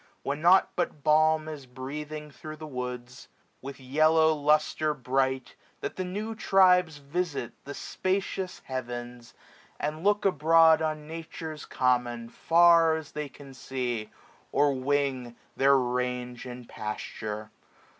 When nought but balm is breathing thro' the woods. SPRING. s$ With yellow lustre bright, that the new tribes Visit the spacious heavens, and look abroad 735 On Nature's common, far as they can see. Or wing, their range and pasture.